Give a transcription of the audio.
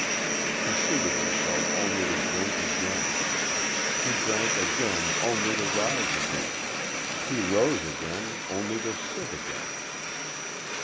He seated himself only to drink again; he drank again only to rise again; he rose again only to sit again.